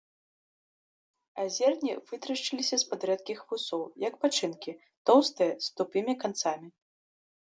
А зерні вытрашчыліся з-пад рэдкіх вусоў, як пачынкі, тоўстыя, з тупымі канцамі.